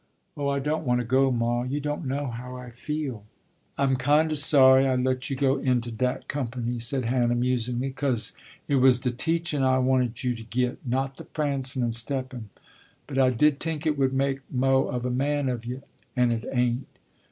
"Oh, I don't want to go, ma; you don't know how I feel." "I'm kinder sorry I let you go into dat company," said Hannah musingly, "'cause it was de teachin' I wanted you to git, not the prancin' and steppin'; but I did t'ink it would make mo' of a man of you, an' it ain't.